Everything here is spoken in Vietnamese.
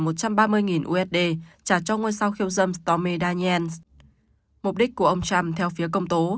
một trăm ba mươi usd trả cho ngôi sao khiêu dâm stomedaniel mục đích của ông trump theo phía công tố